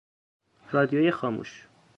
رادیوی خاموش